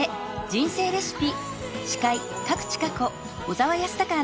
人生レシピ」。